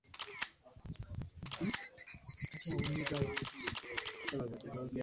Mwana ggwe oyagala kunsuula mu buzibu oseke.